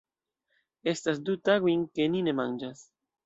Estas du tagojn ke ni ne manĝas.